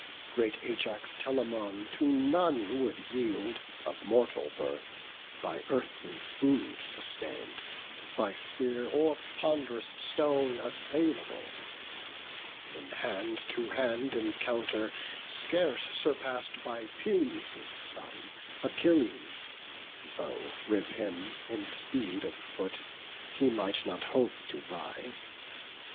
Great Ajax Telamon to none would yield, Of mortal birth, by earthly food sustain'd, By spear or pond'rous stone assailable; In hand to hand encounter, scarce surpass'd By Peleus' son Achilles; though with him In speed of foot he might not hope to vie.